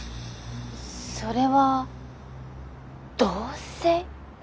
それは同棲？